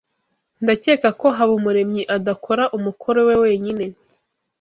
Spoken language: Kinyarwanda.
Ndakeka ko Habumuremyi adakora umukoro we wenyine.